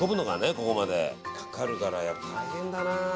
ここまでかかるからやっぱり大変だな。